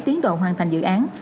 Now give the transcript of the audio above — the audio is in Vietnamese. tiến độ hoàn thành dự án